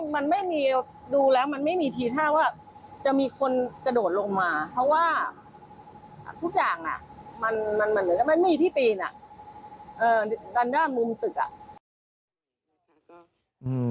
มันเหมือนจะไม่มีที่ปีนด้านด้านมุมตึก